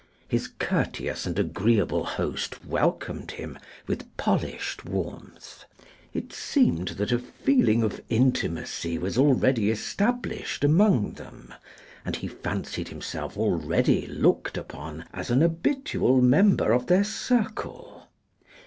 His courteous and agreeable host welcomed him with polished warmth. It seemed that a feeling of intimacy was already established among them, and he fancied himself already looked upon as an habitual member of their circle.